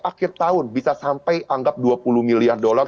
akhir tahun bisa sampai anggap dua puluh miliar dolar